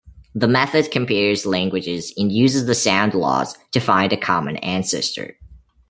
The method compares languages and uses the sound laws to find a common ancestor.